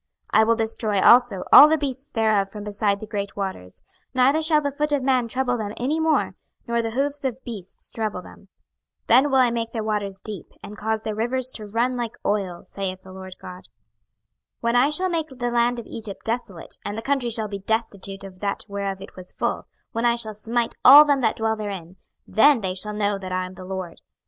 26:032:013 I will destroy also all the beasts thereof from beside the great waters; neither shall the foot of man trouble them any more, nor the hoofs of beasts trouble them. 26:032:014 Then will I make their waters deep, and cause their rivers to run like oil, saith the Lord GOD. 26:032:015 When I shall make the land of Egypt desolate, and the country shall be destitute of that whereof it was full, when I shall smite all them that dwell therein, then shall they know that I am the LORD.